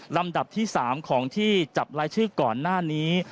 ลำดับที่๓ของที่จับรายชื่อก่อนหน้านี้